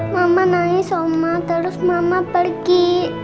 mama nangis oma terus mama pergi